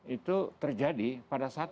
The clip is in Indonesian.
itu terjadi pada saat